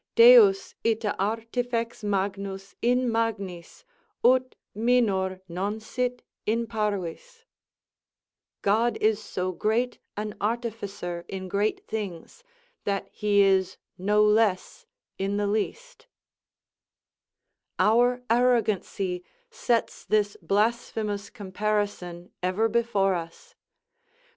Deus ita artifex magnus in magnis, ut minor non sit in parvis: "God is so great an artificer in great things, that he is no less in the least" Our arrogancy sets this blasphemous comparison ever before us.